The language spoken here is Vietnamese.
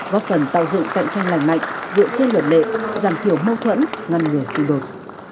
góp phần tạo dựng cạnh tranh lành mạnh dựa trên luật lệ giảm thiểu mâu thuẫn ngăn ngừa xung đột